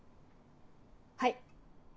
はい。